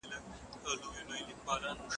که قصاص نه وي فساد به زیات سي.